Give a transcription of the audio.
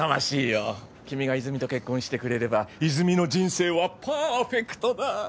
君が泉と結婚してくれれば泉の人生はパーフェクトだ！